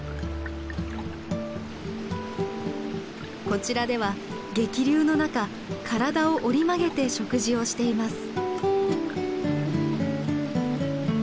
こちらでは激流の中体を折り曲げて食事をしています。